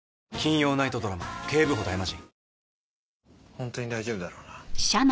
本当に大丈夫だろうな？